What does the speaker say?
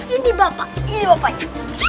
ini bapak ini bapaknya